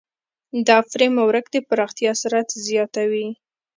دا فریم ورک د پراختیا سرعت زیاتوي.